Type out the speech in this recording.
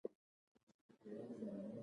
څوک چې مینه ورکوي، تل عزت لري.